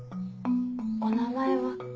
お名前は。